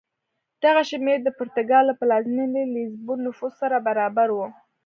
دغه شمېر د پرتګال له پلازمېنې لېزبون نفوس سره برابر و.